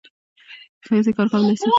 ښځې کار کولای سي.